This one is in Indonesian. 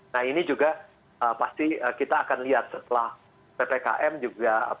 nah ini juga pasti kita akan lihat setelah ppkm juga